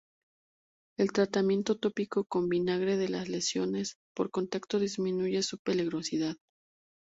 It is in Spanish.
El tratamiento tópico con vinagre de las lesiones por contacto disminuye su peligrosidad.